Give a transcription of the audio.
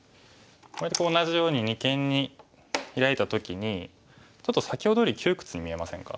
これと同じように二間にヒラいた時にちょっと先ほどより窮屈に見えませんか？